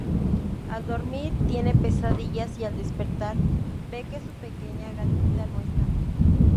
Al dormir tiene pesadillas y al despertar ve que su pequeña gatita no está.